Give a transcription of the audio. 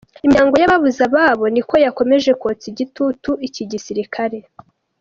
Imiryango y’ababuze ababo niko yakomeje kotsa igitutu iki gisirikare.